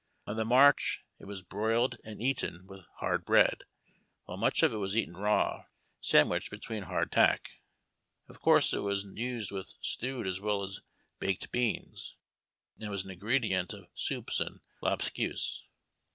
On the march it was broiled and eaten with hard bread, while much of it was eaten raw, sand wiched between hardtack. Of course it was used witli stewed as well as baked beans, ai)d was an ingredient of soups and lobscouse.